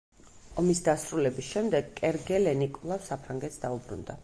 ომის დასრულების შემდეგ, კერგელენი კვლავ საფრანგეთს დაუბრუნდა.